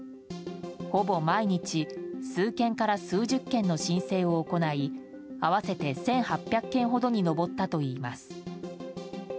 ほぼ毎日数件から数十件の申請を行い合わせて１８００件ほどに上ったといいます。